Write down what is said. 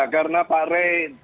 karena pak rey